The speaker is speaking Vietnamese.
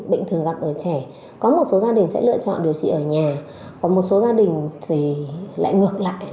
bệnh thường gặp ở trẻ có một số gia đình sẽ lựa chọn điều trị ở nhà và một số gia đình thì lại ngược lại